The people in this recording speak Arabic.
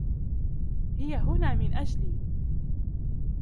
هي هنا من أجلي.